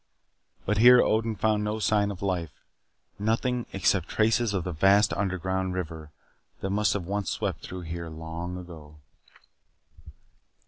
But here Odin found no sign of life. Nothing except traces of the vast underground river that must have once swept through here long ago.